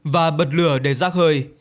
và bật lửa để rác hơi